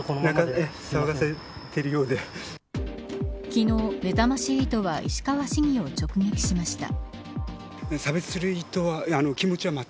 昨日、めざまし８は石川市議を直撃しました。